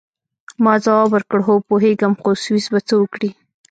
ما ځواب ورکړ: هو، پوهیږم، خو سویس به څه وکړي؟